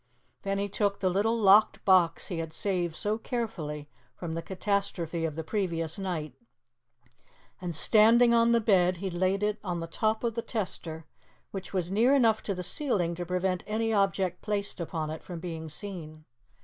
Then he took the little locked box he had saved so carefully from the catastrophe of the previous night, and, standing on the bed, he laid it on the top of the tester, which was near enough to the ceiling to prevent any object placed upon it from being seen.